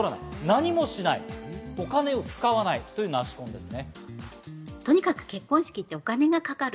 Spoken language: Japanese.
何もしないお金を使わないというナシ婚です。